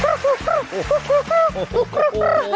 อะใจเย็นอม